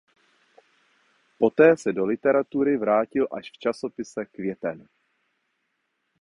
Poté se do literatury vrátil až v časopise "Květen".